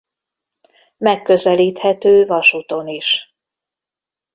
Megközelíthető vasúton is.